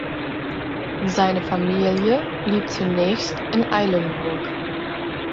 Seine Familie blieb zunächst in Eilenburg.